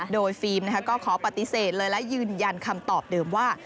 โดยฟิล์มก็ขอปฏิเสธเลยและยืนยันคำตอบเดิมว่า